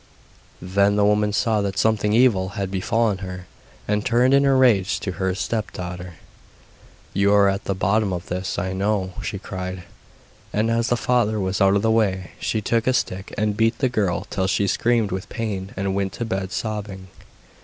Then the woman saw that something evil had befallen her, and turned in her rage to her stepdaughter. 'You are at the bottom of this, I know,' she cried; and as the father was out of the way she took a stick and beat the girl till she screamed with pain and went to bed sobbing.